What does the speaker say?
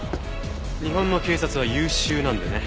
日本の警察は優秀なんでね。